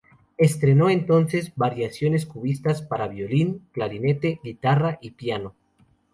Estrenó entonces "Variaciones Cubistas" para violín, clarinete, guitarra y piano.